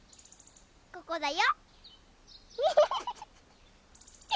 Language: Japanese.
ここだよ！